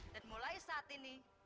dan mulai saat ini